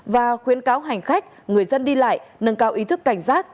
và khuyến cáo hành khách người dân đi lại nâng cao ý thức cảnh giác